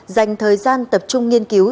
dành thời gian tập trung nghiên cứu